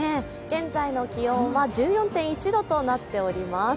現在の気温は１４．１度となっております。